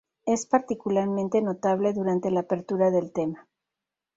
Es particularmente notable durante la apertura del tema.